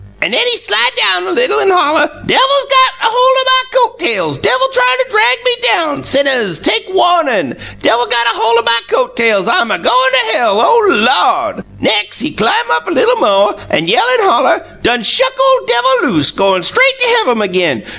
An' he slide down little, an' holler: 'Devil's got a hol' o' my coat tails; devil tryin' to drag me down! Sinnuhs, take wawnun! Devil got a hol' o' my coat tails; I'm a goin' to hell, oh Lawd!' Nex', he clim up little mo', an' yell an' holler: 'Done shuck ole devil loose; goin' straight to heavum agin!